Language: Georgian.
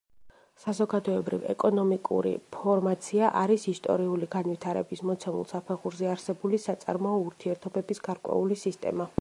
საზოგადოებრივ-ეკონომიკური ფორმაცია არის ისტორიული განვითარების მოცემულ საფეხურზე არსებული საწარმოო ურთიერთობების გარკვეული სისტემა.